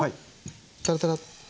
タラタラッ。